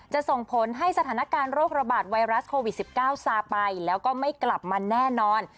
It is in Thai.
ส่งผลให้สถานการณ์โรคระบาดไวรัสโควิด๑๙ซาไปแล้วก็ไม่กลับมาแน่นอน